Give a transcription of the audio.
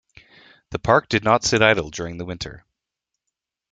The park did not sit idle during the winter.